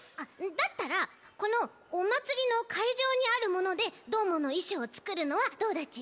だったらこのおまつりのかいじょうにあるものでどーものいしょうをつくるのはどうだっち？